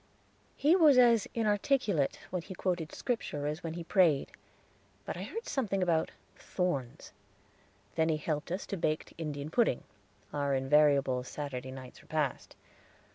He was as inarticulate when he quoted Scripture as when he prayed, but I heard something about "thorns"; then he helped us to baked Indian pudding our invariable Saturday night's repast.